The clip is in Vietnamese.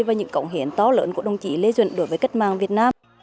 và những cống hiến to lớn của đồng chí lê duẩn đối với cách mạng việt nam